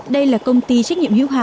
đây là công ty trách nhiệm hữu hoạch